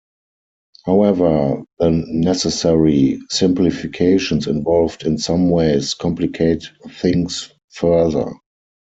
However, the necessary simplifications involved in some ways complicate things further.